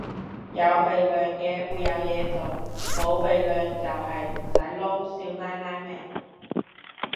有鼻樑嘅會有嘢做，冇鼻樑就係唔使撈少奶奶命